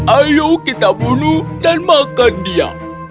ayo kita bunuh dan makan dia